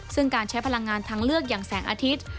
ซึ่งการใช้พลังงานทางเลือกอย่างแสงอาทิตย์